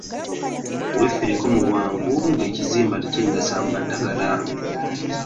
Weefeeko mu bwangu ng'ekizimba tekinnasamba ddagala.